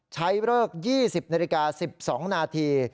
เลิก๒๐นาฬิกา๑๒นาที